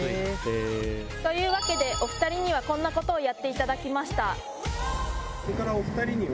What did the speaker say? というわけでお２人にはこんなことをやっていただきました。